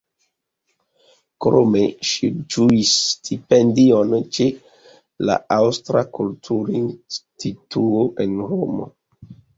Krome ŝi ĝuis stipendion ĉe la Aŭstra kulturinstituo en Romo.